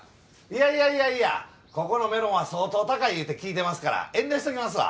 いやいやいやいやここのメロンは相当高いゆうて聞いてますから遠慮しときますわ。